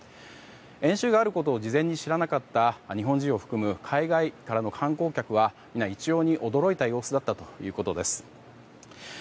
演習があることを事前に知らなかった日本人を含む海外からの観光客は皆一様に驚いた様子だったということです。